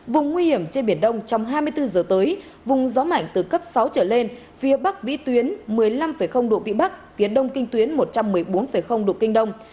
vùng nguy hiểm trên biển đông trong hai mươi bốn giờ tới vùng gió mạnh từ cấp sáu trở lên phía bắc vĩ tuyến một mươi năm độ vĩ bắc phía đông kinh tuyến một trăm một mươi bốn độ kinh đông